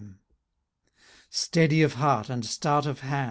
39 Steady of heart, and stout of hand.